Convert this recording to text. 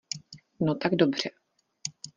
No tak dobře...